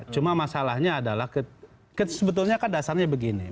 cuma masalahnya adalah sebetulnya kan dasarnya begini